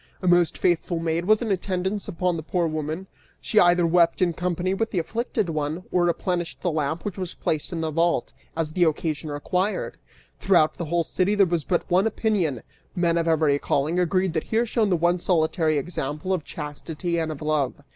A most faithful maid was in attendance upon the poor woman; she either wept in company with the afflicted one or replenished the lamp which was placed in the vault, as the occasion required. Throughout the whole city there was but one opinion, men of every calling agreed that here shone the one solitary example of chastity and of love!